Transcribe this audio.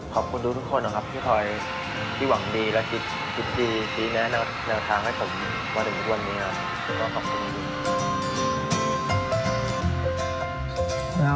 ขอบคุณทุกคนที่คอยที่หวังดีและคิดดีแน่ในทางให้ผมมาถึงทุกวันนี้ครับ